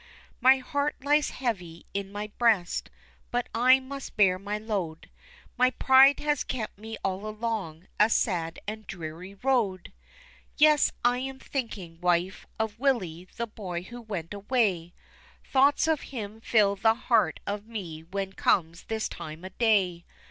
My heart lies heavy in my breast, but I must bear my load, My pride has kept me all along a sad and dreary road. Yes, I'm thinking, wife, of Willie, the boy who went away Thoughts of him fill the heart of me when comes this time of day.